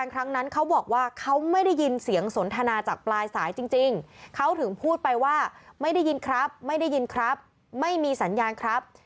ครับไม่ได้ยินครับไม่มีสัญญาณครับ